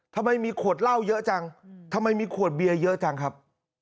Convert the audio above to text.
ทำไมมีขวดเหล้าเยอะจังทำไมมีขวดเบียร์เยอะจังครับ